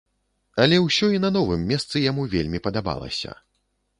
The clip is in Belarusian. Але ўсё і на новым месцы яму вельмі падабалася.